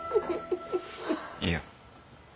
いや。